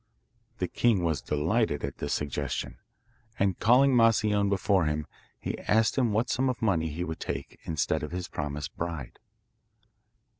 The king was delighted at this suggestion, and calling Moscione before him, he asked him what sum of money he would take instead of his promised bride.